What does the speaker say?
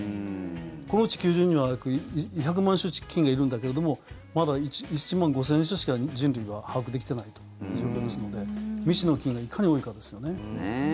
この地球上には約１００万種菌がいるんだけれどもまだ１万５０００種しか人類は把握できてないという状況ですので未知の菌がいかに多いかですよね。